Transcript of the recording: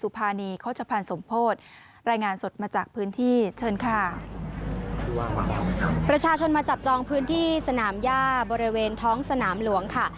ประชาชนมาจับจองพื้นที่สนามย่าบริเวณท้องสนามหลวงค่ะ